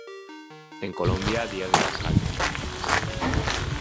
En Colombia día del alcalde